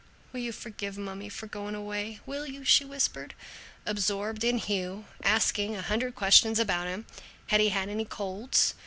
"Will you forgive mummy for going away? Will you?" she whispered. Absorbed in Hugh, asking a hundred questions about him had he had any colds?